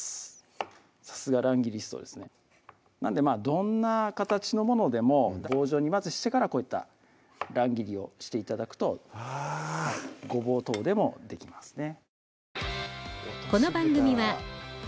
さすが乱切りストですねなのでどんな形のものでも棒状にまずしてからこういった乱切りをして頂くとあごぼう等でもできますね